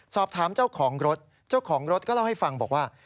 สอบถามเจ้าของรถเจ้าของรถก็เล่าให้ฟังบอกว่า